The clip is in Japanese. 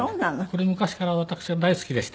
これ昔から私は大好きでして。